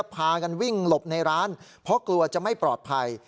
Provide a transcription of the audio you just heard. พากันวิ่งหลบในร้านเพราะกลัวจะไม่ปลอดภัย